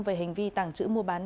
về hành vi tảng trữ mua bán